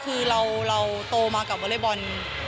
คือเราโตมากับเวลบอล